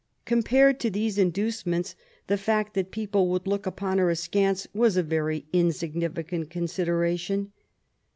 Compared to these inducements, the fact that people would look upon her askance was a very insignificant consideration.